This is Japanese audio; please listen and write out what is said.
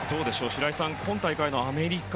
白井さん、今大会のアメリカ